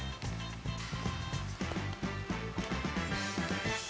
よし！